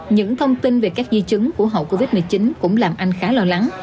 những thông tin về các di chứng của hậu covid một mươi chín cũng làm anh khá lo lắng